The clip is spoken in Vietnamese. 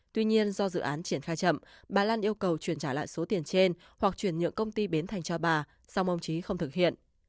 tuy nhiên do dự án triển khai chậm bà lan yêu cầu chuyển trả lại số tiền trên hoặc chuyển nhượng công ty bến thành cho bà song ông trí không thực hiện